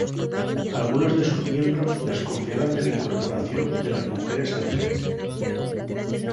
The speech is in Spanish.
Algunos de sus miembros desconfiaban de la incorporación de las mujeres al frente.